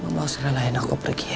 mama harus relain aku pergi ya